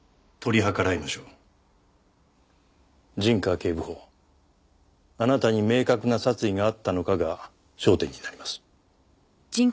警部補あなたに明確な殺意があったのかが焦点になります。